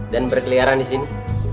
dan berkeliaran di sini